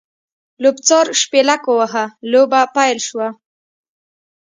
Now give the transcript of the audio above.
لوبڅار شپېلک ووهه؛ لوبه پیل شوه.